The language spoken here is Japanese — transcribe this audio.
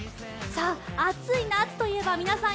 暑い夏といえば皆さん